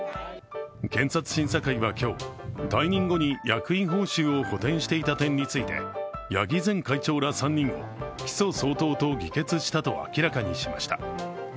検察審査会は今日、退任後に役員報酬を補填していた点について、八木前会長ら３人を起訴相当と議決したと明らかにしました。